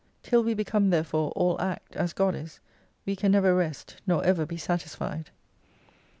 Till we become therefore all Act as God is, we can never rest, nor ever be satisfied.